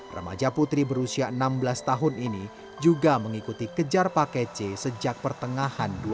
remaja putri berusia enam belas tahun ini juga mengikuti kejar paket c sejak pertengahan dua ribu dua